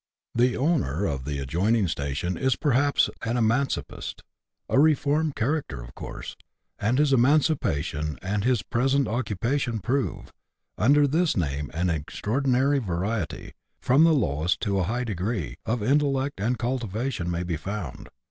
The owner of the adjoining station is perhaps an emancipist, a reformed character of course, as his emancipation and his pre sent occupation prove ; under this name an extraordinary variety, from the low^est to a high degree, of intellect and cultivation may be found.